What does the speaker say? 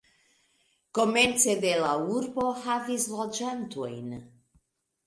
Komence de la urbo havis loĝantojn.